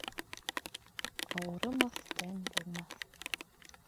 Ауырымаҫ тән булмаҫ.